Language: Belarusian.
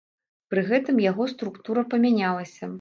Пры гэтым яго структура памянялася.